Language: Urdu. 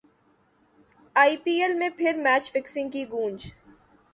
ائی پی ایل میں پھر میچ فکسنگ کی گونج